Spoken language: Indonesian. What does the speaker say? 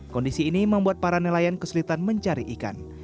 kondisi ini membuat para nelayan kesulitan mencari ikan